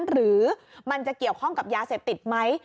หรือมันจะเกี่ยวข้องกับยาเสพติดไหม